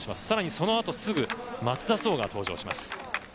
更にそのあとすぐ松田颯が登場します。